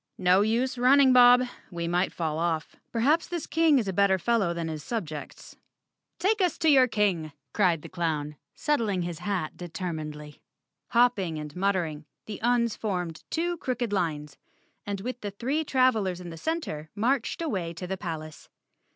"No use running, Bob. We might fall off. Perhaps thid King is a better fellow than his subjects. "Take us to your King!" cried the clown, settling his chp determinedly. Hopping and muttering, the Uns formed two crooked lines, and with the three trav¬ elers in the center marched away to the palace.